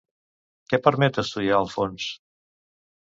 Què permet estudiar el fons?